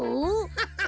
ハハハッ。